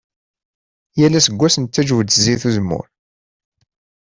Yal aseggas nettaǧǧew-d zzit n uzemmur.